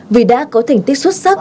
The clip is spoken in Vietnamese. vì đã có thành tích xuất sắc